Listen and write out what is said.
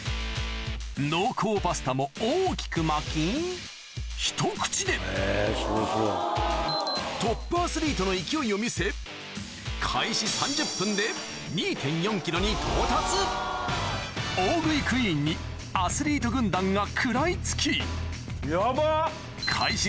濃厚パスタも大きく巻きひと口でトップアスリートの勢いを見せに到達大食いクイーンにアスリート軍団が食らいつきヤバっ！